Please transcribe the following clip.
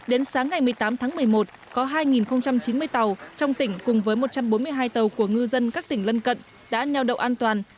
đến sáng ngày một mươi tám tháng một mươi một có hai chín mươi tàu trong tỉnh cùng với một trăm bốn mươi hai tàu của ngư dân các tỉnh lân cận đã neo đậu an toàn